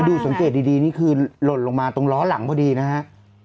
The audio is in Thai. ดูสังเกตดีคือหล่นลงมาตรงล้อหลังพอดีนะครับ